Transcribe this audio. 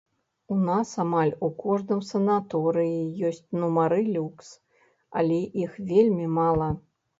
У нас амаль у кожным санаторыі ёсць нумары люкс, але іх вельмі мала.